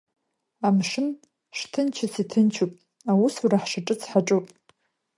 Амшын шҭынчыц иҭынчуп, аусура ҳшаҿыц ҳаҿуп.